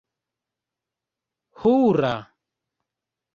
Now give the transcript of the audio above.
hura